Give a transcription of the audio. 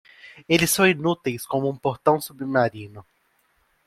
Eles são inúteis como um portão submarino.